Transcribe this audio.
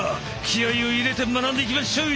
気合いを入れて学んでいきまっしょい！